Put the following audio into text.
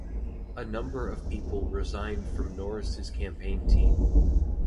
A number of people resigned from Norris's campaign team.